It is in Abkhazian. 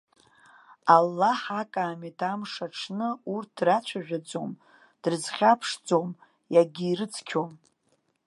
Аллаҳ акаамеҭ амш аҽны урҭ драцәажәаӡом, дрызхьаԥшӡом, иагьирыцқьом.